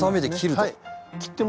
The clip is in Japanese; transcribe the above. はい。